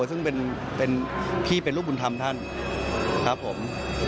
ซึ่งเป็นพี่เป็นลูกบุญธรรมท่านครับผม